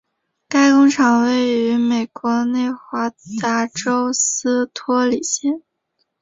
该工厂位于美国内华达州斯托里县。